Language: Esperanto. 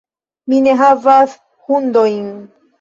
Mi ne havas hundojn.